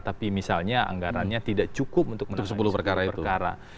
tapi misalnya anggarannya tidak cukup untuk menangani sepuluh perkara